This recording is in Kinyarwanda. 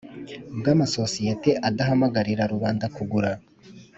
bw amasosiyete adahamagarira rubanda kugura